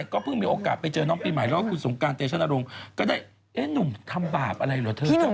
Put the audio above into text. คนบาปมันไม่ต้องเจออย่างนี้หรอ